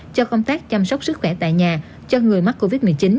cho công tác chăm sóc sức khỏe tại nhà cho người mắc covid một mươi chín